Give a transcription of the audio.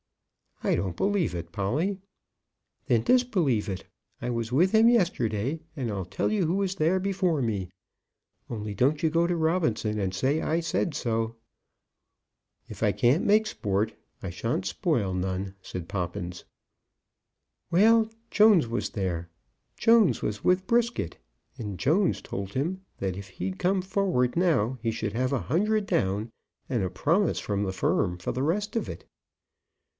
"I don't believe it, Polly." "Then disbelieve it. I was with him yesterday, and I'll tell you who was there before me; only don't you go to Robinson and say I said so." "If I can't make sport, I shan't spoil none," said Poppins. "Well, Jones was there. Jones was with Brisket, and Jones told him that if he'd come forward now he should have a hundred down, and a promise from the firm for the rest of it."